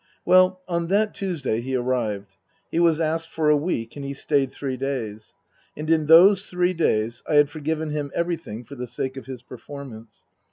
Well, on that Tuesday he arrived. He was asked for a week and he stayed three days ; and in those three days I had forgiven him everything for the sake of his performance.